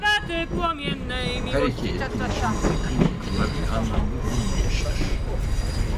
Her iki etkileşimde klinik olarak anlamlı bulunmamıştır.